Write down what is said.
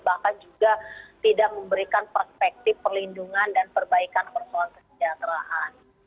bahkan juga tidak memberikan perspektif perlindungan dan perbaikan persoalan kesejahteraan